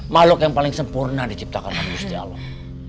makhluk yang paling sempurna diciptakan manusia allah